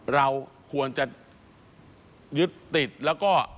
เราควรจะยึดติดแล้วก็